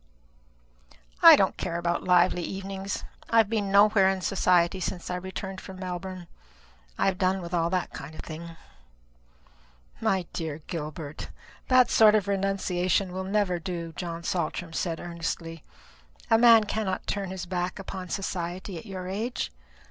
"I don't care about lively evenings. I have been nowhere in society since I returned from Melbourne. I have done with all that kind of thing." "My dear Gilbert, that sort of renunciation will never do," John Saltram said earnestly. "A man cannot turn his back upon society at your age.